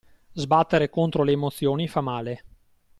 Sbattere contro le emozioni fa male.